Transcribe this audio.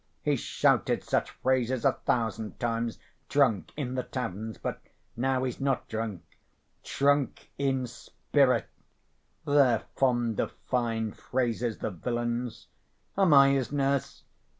He's shouted such phrases a thousand times, drunk, in the taverns. But now he's not drunk. 'Drunk in spirit'—they're fond of fine phrases, the villains. Am I his nurse?